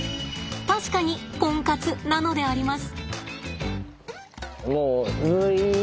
確かにコンカツなのであります！